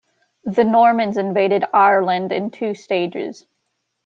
The Normans invaded Ireland in two stages.